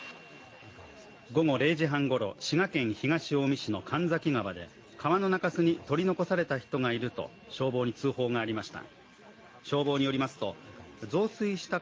午後０時半ごろ、滋賀県東近江市の神崎川で川の中州に取り残された人がいると消防に通報がありました。